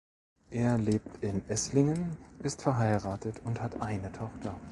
Er lebt in Esslingen, ist verheiratet und hat eine Tochter.